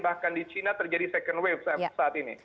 bahkan di china terjadi second wave saat ini